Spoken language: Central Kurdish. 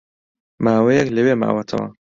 ماوەیەک لەوێ ماوەتەوە